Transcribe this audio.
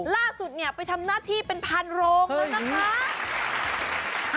ล่าสุดเนี่ยไปทำหน้าที่เป็นพานโรงแล้วนะคะ